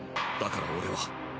だから俺は。